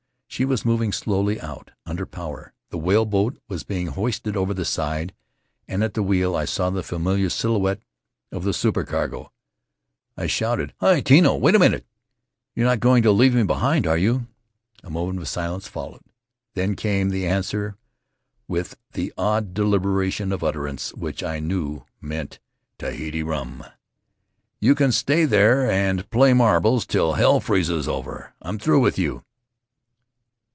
She was moving slowly out, under power; the whaleboat was being hoisted over the side, and at Rutiaro the wheel I saw the familiar silhouette of the super cargo. I shouted: "Hi! Tino! Wait a minute! You're not going to leave me behind, are you?" A moment of silence followed. Then came the answer with the odd deliberation of utterance which I knew meant Tahiti rum: "You can stay there and play marbles till hell freezes over! I'm through with you!"